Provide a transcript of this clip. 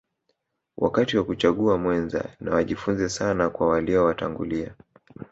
wakati wa kuchagua mwenza na wajifunze sana kwa walio watangulia